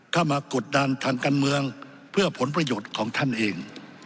มากดดันทางการเมืองเพื่อผลประโยชน์ของท่านเอง